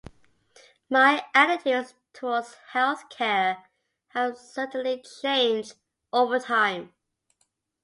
My attitudes towards health care have certainly changed over time.